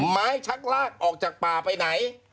ไม้ชักลากออกจากป่าไปไหน